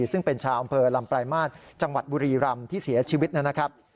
ซึ่งเป็นชาวอำเภอลำปลายมาตรจังหวัดบุรีรำที่เสียชีวิตนะครับ